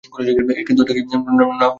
কিন্তু এটাকেই না মূলত বোবায় ধরা বলে?